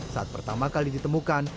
saat pertama kali ditemukan